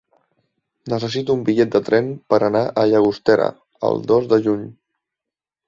Necessito un bitllet de tren per anar a Llagostera el dos de juny.